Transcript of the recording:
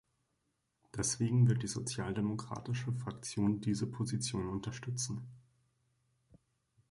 Deswegen wird die sozialdemokratische Fraktion diese Position unterstützen.